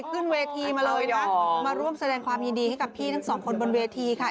ขึ้นเวทีมาเลยนะมาร่วมแสดงความยินดีให้กับพี่ทั้งสองคนบนเวทีค่ะ